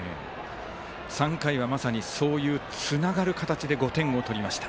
３回は、まさにそういうつながる形で５点を取りました。